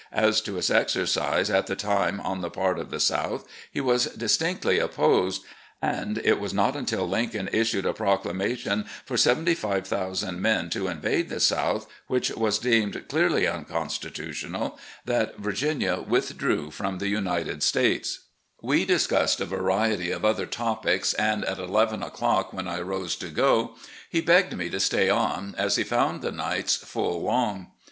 As to its exercise at the time on the part of the South, he was distinctly opposed, and it was not until Lincoln issued a proclamation for 75.000 men to invade the South, which was deemed clearly unconstitutional, that Virginia withdrew from the United States. 434 RECX5LLECTI0NS OP GENERAL LEE "We discussed a variety of other topics, and, at eleven o'clock when I rose to go, he begged me to stay on, as he found the nights full long.